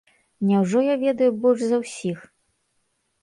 Няўжо я ведаю больш за ўсіх?